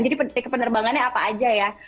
jadi tiket penerbangannya apa aja ya